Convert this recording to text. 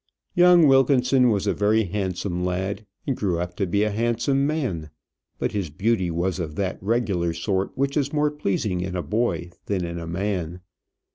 Young Wilkinson was a very handsome lad, and grew up to be a handsome man; but his beauty was of that regular sort which is more pleasing in a boy than in a man.